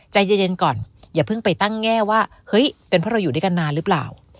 ใจเย็นก่อนอย่าเพิ่งไปตั้งแง่ว่าเฮ้ยเป็นเพราะเราอยู่ด้วยกันนานหรือเปล่า